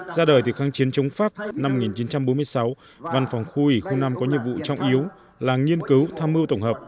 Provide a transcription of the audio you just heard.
ra đời từ kháng chiến chống pháp năm một nghìn chín trăm bốn mươi sáu văn phòng khu ủy khu năm có nhiệm vụ trọng yếu là nghiên cứu tham mưu tổng hợp